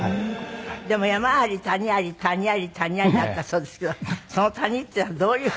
でも山あり谷あり谷あり谷ありだったそうですけどその谷っていうのはどういうの？